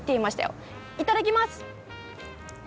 いただきます！